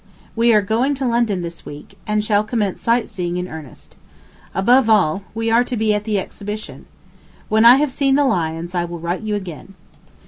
We are going to London this week, and shall commence sight seeing in earnest. Above all, we are to be at the exhibition. When I have seen the lions, I will write you again.